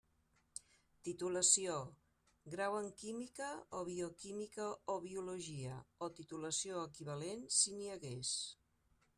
Titulació: grau en Química, o Bioquímica o Biologia, o titulació equivalent si n'hi hagués.